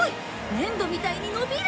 粘土みたいに伸びる！